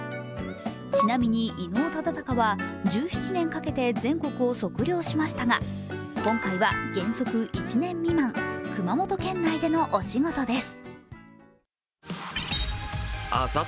ちなみに伊能忠敬は１７年かけて全国を測量しましたが今回は原則１年未満熊本県内でのお仕事です。